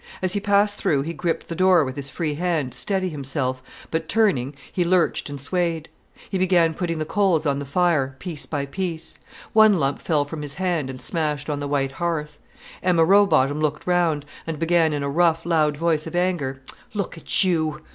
As he passed through, he gripped the door with his free hand to steady himself, but turning, he lurched and swayed. He began putting the coals on the fire, piece by piece. One lump fell from his hand and smashed on the white hearth. Emma Rowbotham looked round, and began in a rough, loud voice of anger: "Look at you!"